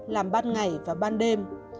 làm ban ngày và ban đêm